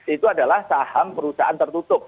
itu adalah saham perusahaan tertutup